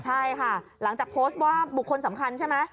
ใช่ค่ะหลังจากโพสต์ว่าบุคคลสำคัญใช่ไหม